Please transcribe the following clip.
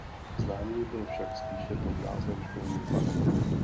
Známý byl však spíše pod názvem Školní park.